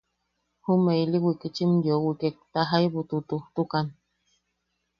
Jume ili wikitchim yeu wikek, ta jaibu tutujtukan.